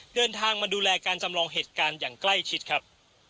เดินทางมาดูแลการจำลองเหตุการณ์อย่างใกล้ชิดครับ